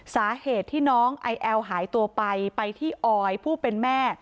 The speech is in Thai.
สาเหตุที่น้องไอแอลหายตัวไปไปที่ออยผู้เป็นแม่